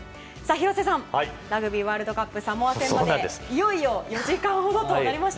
廣瀬さんラグビーワールドカップサモア戦までいよいよ４時間ほどとなりました。